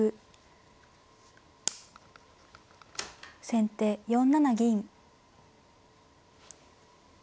先手４七銀。